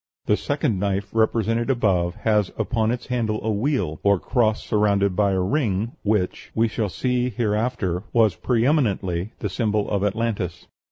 The second knife represented above has upon its handle a wheel, or cross surrounded by a ring, which, we shall see here after, was pre eminently the symbol of Atlantis.